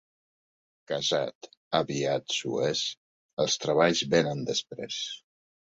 Casat, aviat s'ho és; els treballs vénen després.